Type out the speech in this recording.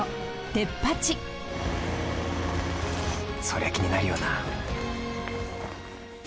そりゃ気になるよな。